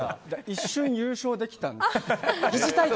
一瞬優勝できたんです。